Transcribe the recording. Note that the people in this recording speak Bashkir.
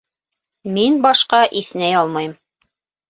Мин башҡа иҫнәй алмайым...